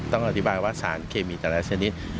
ต้องอธิบายว่าสารเคมีแต่ละชนิด